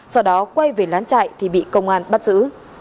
sau đó quay về lán chạy thì bị công an bắt giữ